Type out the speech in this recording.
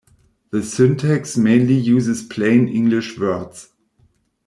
The syntax mainly uses plain English words.